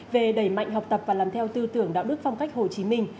về đẩy mạnh học tập và làm theo tư tưởng đạo đức phong cách hồ chí minh